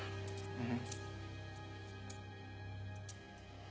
うん。